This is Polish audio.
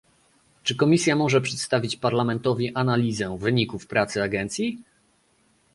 Czy Komisja może przedstawić Parlamentowi analizę wyników pracy agencji?